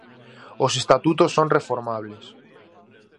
Os estatutos son reformables.